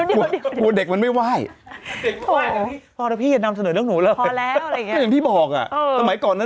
กับลูกโอ้มไม่ช่วยเลยละนั่น